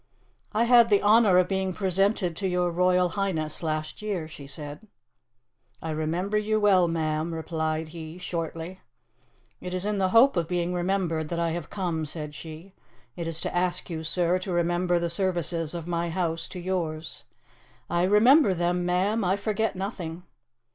"I had the honour of being presented to your Royal Highness last year," she said. "I remember you well, ma'am," replied he shortly. "It is in the hope of being remembered that I have come," said she. "It is to ask you, Sir, to remember the services of my house to yours." "I remember them, ma'am; I forget nothing."